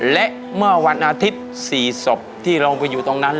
และเมื่อวันอาทิตย์๔ศพที่เราไปอยู่ตรงนั้น